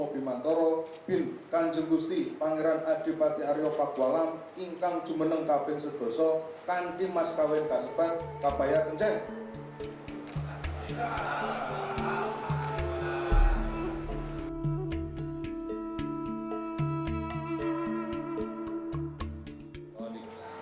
bendoro pangeran haryo kusumo bimantoro lahir pada dua puluh tujuh april seribu sembilan ratus sembilan puluh satu